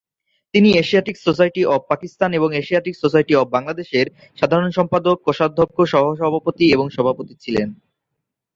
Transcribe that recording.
তিনি Asiatic Society of Pakistan এবং Asiatic Society of বাংলাদেশ-এর সাধারণ সম্পাদক, কোষাধ্যক্ষ, সহ-সভাপতি এবং সভাপতি ছিলেন।